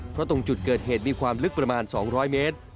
เพราะตรงจุดเกิดเหตุมีความลึกประมาณ๒๐๐เมตร